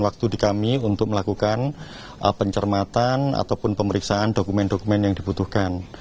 waktu di kami untuk melakukan pencermatan ataupun pemeriksaan dokumen dokumen yang dibutuhkan